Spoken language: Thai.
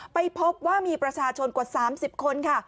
ไปพบว่ามีประชาชนกว่า๓๐คนค่ะ